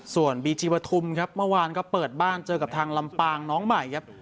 ส่วนบีจีวทุมครับเมื่อวานก็เปิดบ้านเจอกับทางลำปางน้องใหม่ครับ